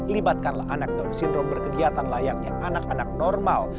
libatkanlah anak down syndrome berkegiatan layaknya anak anak normal